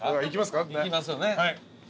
いきますか。